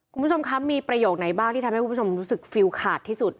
คุณผู้ชมคะมีประโยคไหนบ้างที่ทำให้คุณผู้ชมรู้สึกฟิลขาดที่สุด